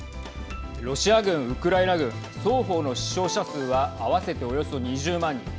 ロシア軍、ウクライナ軍双方の死傷者数は合わせて、およそ２０万人。